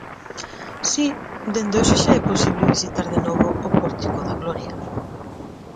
Si, dende hoxe xa é posible visitar de novo o Pórtico da Gloria.